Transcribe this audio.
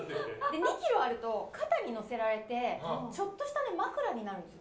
２ｋｇあると肩に乗せられてちょっとした枕になるんですよ。